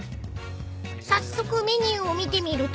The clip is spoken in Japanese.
［早速メニューを見てみると］